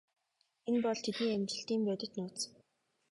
Энэ бол тэдний амжилтын бодит нууц.